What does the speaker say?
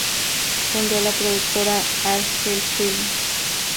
Fundó la productora Argel Films.